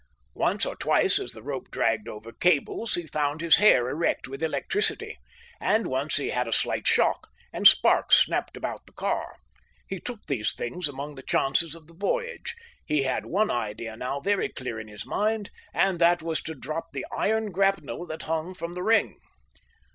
Once or twice as the rope dragged over cables he found his hair erect with electricity, and once he had a slight shock, and sparks snapped about the car. He took these things among the chances of the voyage. He had one idea now very clear in his mind, and that was to drop the iron grapnel that hung from the ring.